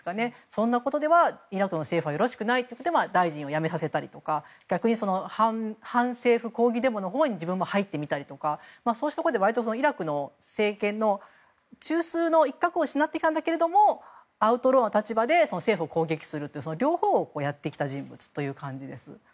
そんなことではイラクの政府はよろしくないと大臣を辞めさせたりとか逆に、反政府抗議デモのほうに自分も入ってみたりそうしたことで、割とイラクの政権の中枢の一角を担ってきたけれどアウトローな立場で政府を攻撃するという両方をやってきた人物という感じです。